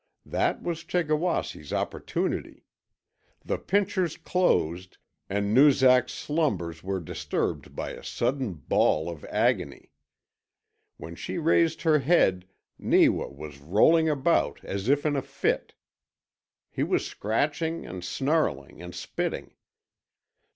That was Chegawasse's opportunity. The pincers closed and Noozak's slumbers were disturbed by a sudden bawl of agony. When she raised her head Neewa was rolling about as if in a fit. He was scratching and snarling and spitting.